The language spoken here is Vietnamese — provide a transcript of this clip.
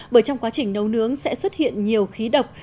bởi trong quá trình nấu nướng sẽ xuất hiện nhiều khí độc